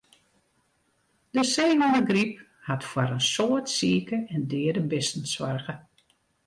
De seehûnegryp hat foar in soad sike en deade bisten soarge.